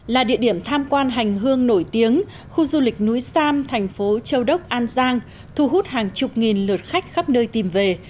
là địa điểm tham quan hành hương nổi tiếng khu du lịch núi sam thành phố châu đốc an giang thu hút hàng chục nghìn lượt khách khắp nơi tìm về